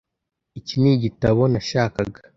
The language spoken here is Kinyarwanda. Iki nigitabo nashakaga.